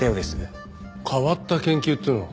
変わった研究というのは？